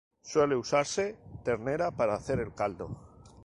Suele usarse ternera para hacer el caldo.